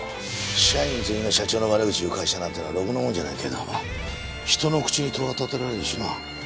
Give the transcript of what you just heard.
社員全員が社長の悪口言う会社なんてのはろくなものじゃないけども人の口に戸は立てられんしな。